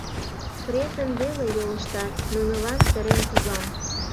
Презым веле йолыштат», Нунылан сырен тужам.